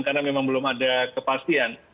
karena memang belum ada kepastian